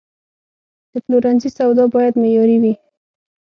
د پلورنځي سودا باید معیاري وي.